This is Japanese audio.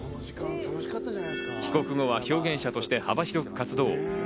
帰国後は表現者として幅広く活動。